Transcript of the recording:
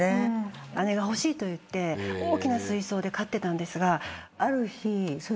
姉が欲しいと言って大きな水槽で飼ってたんですが。